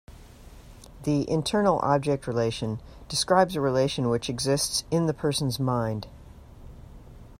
The internal object relation describes a relation which exists in the person's mind.